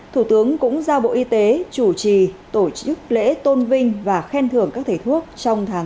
thủ tướng cũng ra bộ y tế chủ trì tổ chức lễ tôn vinh và khen thưởng các thể thuốc trong tháng một mươi hai này